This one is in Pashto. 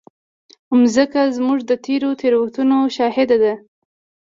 مځکه زموږ د تېرو تېروتنو شاهد ده.